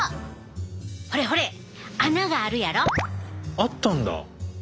あったんだ！